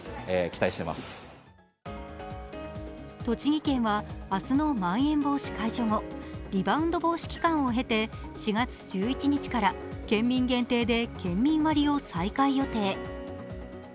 栃木県は明日のまん延防止解除後、リバウンド防止期間を経て４月１１日から県民限定で県民割を再開予定。